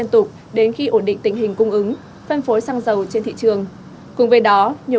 không để ra tình trạng gián đổi nguồn hàng